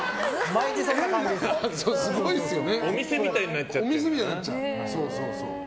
お店みたいになっちゃって。